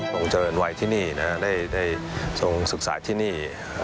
เจริญวัยที่นี่นะได้ทรงศึกษาที่นี่